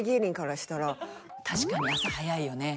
確かに朝早いよね。